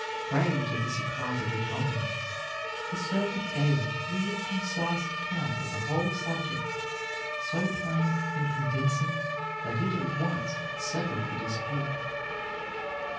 Greatly to the surprise of the company, the servant gave a clear concise account of the whole subject, so plain and convincing that it at once settled the dispute.